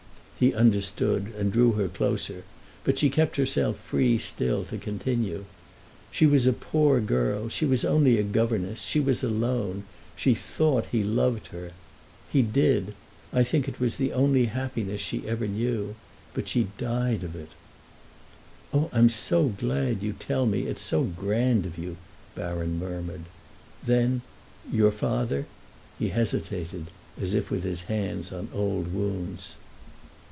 He understood, and drew her closer, but she kept herself free still, to continue: "She was a poor girl—she was only a governess; she was alone, she thought he loved her. He did—I think it was the only happiness she ever knew. But she died of it." "Oh, I'm so glad you tell me—it's so grand of you!" Baron murmured. "Then—your father?" He hesitated, as if with his hands on old wounds.